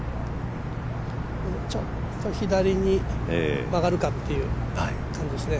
ちょっと左に曲がるかっていうところですね。